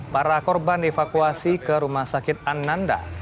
para korban di evakuasi ke rumah sakit ananda